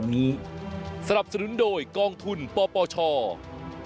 โดยละเลยการปฏิบัติตามนางสาวปารีนาก็จะไม่มีสิทธิ์ครอบครอง